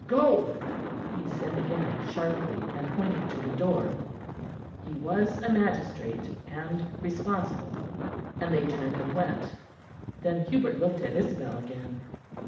"Go," he said again sharply, and pointed to the door. He was a magistrate, and responsible; and they turned and went. Then Hubert looked at Isabel again.